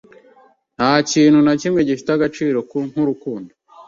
Ntakintu nakimwe gifite agaciro nkurukundo.